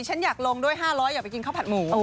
ฉันอยากลงด้วย๕๐๐อย่าไปกินข้าวผัดหมู